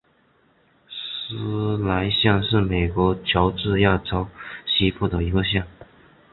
施莱县是美国乔治亚州西部的一个县。